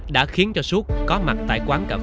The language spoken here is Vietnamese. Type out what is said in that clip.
đã khiến cho xuất có mặt tại quán cà phê quen thuộc